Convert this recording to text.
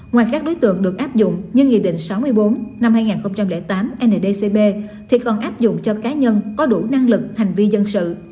ngoài các đối tượng được áp dụng như nghị định sáu mươi bốn năm hai nghìn tám ndcb thì còn áp dụng cho cá nhân có đủ năng lực hành vi dân sự